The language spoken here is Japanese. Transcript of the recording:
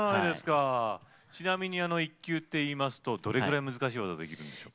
ちなみに１級といいますとどれぐらい難しい技ができるんでしょうか。